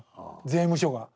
税務署が。